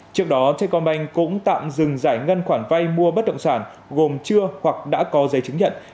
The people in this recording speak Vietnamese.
trước đó sacombank cũng tạm dừng giải ngân khoản vay mua bất động sản gồm chưa hoặc đã có giấy chứng nhận kể từ ngày hai mươi năm tháng ba